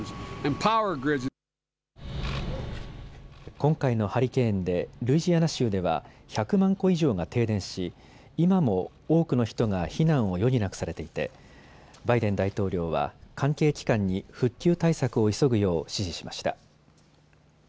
今回のハリケーンでルイジアナ州では１００万戸以上が停電し今も多くの人が避難を余儀なくされていてバイデン大統領は関係機関に復旧対策を急ぐよう指示しました。